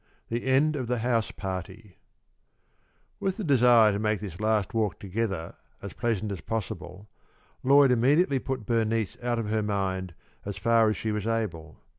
THE END OF THE HOUSE PARTY With the desire to make this last walk together as pleasant as possible, Lloyd immediately put Bernice out of her mind as far as she was able.